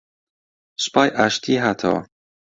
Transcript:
سوپای ئاشتی هاتەوە